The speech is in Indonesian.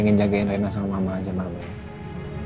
ingin jagain reina sama mbak mbak aja mbak mbak ya